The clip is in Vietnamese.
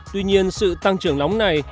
tuy nhiên sự tăng trưởng nóng này